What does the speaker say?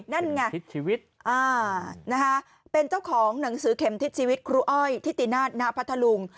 นั่นไงเป็นเจ้าของหนังสือเข็มทิศชีวิตครูอ้อยทิตินาศณพัทธลุง